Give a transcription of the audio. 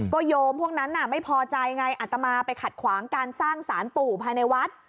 โยมพวกนั้นไม่พอใจไงอัตมาไปขัดขวางการสร้างสารปู่ภายในวัด